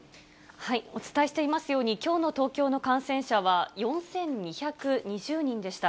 お伝えしていますように、きょうの東京の感染者は４２２０人でした。